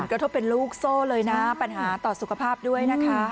กระทบเป็นลูกโซ่เลยนะปัญหาต่อสุขภาพด้วยนะคะ